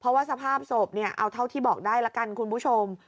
เพราะว่าสภาพศพเนี่ยเอาเท่าที่บอกได้ละกันคุณผู้ชม